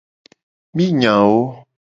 Mi nya wo.